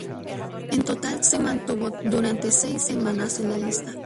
En total se mantuvo durante seis semanas en la lista.